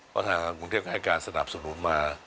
เพราะทางกรุงเทพก็ให้การสนับสนุนมา